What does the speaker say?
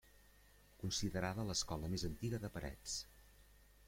Considerada l'escola més antiga de Parets.